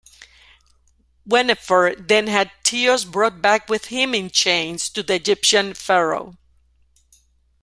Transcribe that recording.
Wennefer then had Teos brought back with him in chains to the Egyptian pharaoh.